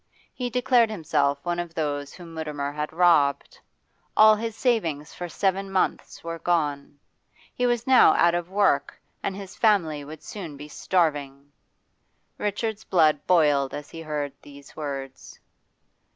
He declared himself one of those whom Mutimer had robbed; all his savings for seven months were gone; he was now out of work, and his family would soon be starving. Richard's blood boiled as he heard these words.